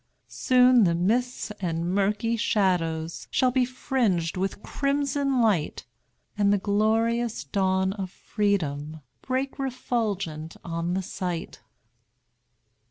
Soon the mists and murky shadows Shall be fringed with crimson light, And the glorious dawn of freedom Break refulgent on the sight.